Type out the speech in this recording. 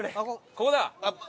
ここだ。